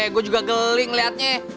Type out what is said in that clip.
gue juga geling liatnya